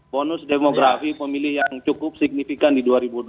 bonus demografi pemilih yang cukup signifikan di dua ribu dua puluh